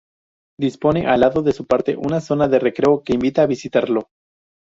Dispone al lado de su puente una zona de recreo que invita a visitarlo.